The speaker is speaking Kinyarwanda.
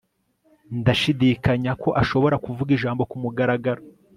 Ndashidikanya ko ashobora kuvuga ijambo kumugaragaro